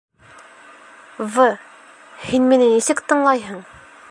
В., һин мине нисек тыңлайһың?